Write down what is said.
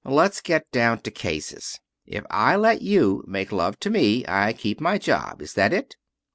Let's get down to cases. If I let you make love to me, I keep my job. Is that it?"